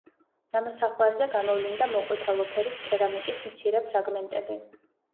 ნამოსახლარზე გამოვლინდა მოყვითალო ფერის კერამიკის მცირე ფრაგმენტები.